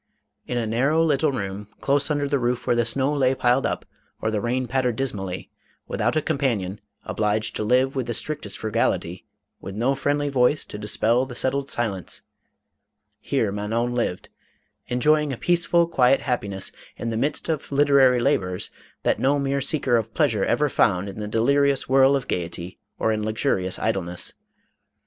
In a narrow little room, close under the roof where the snow lay piled up, or the rain pattered dismally ; without a companion, obliged to live with the strictest frugality, with no friendly voice to dispel the settled silence, — here Manon lived, enjoying a peaceful, quiet happiness, in the midst of literary labors, that no mere seeker of pleasure ever found in the delirious whirl of gayety, or in luxurious idleness.